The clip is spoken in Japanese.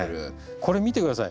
これ見て下さい。